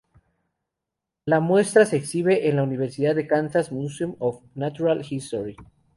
La muestra se exhibe en la Universidad de Kansas Museum of Natural History.